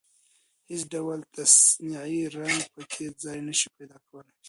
هېڅ ډول تصنعي رنګ په کې ځای نشي پيدا کولای.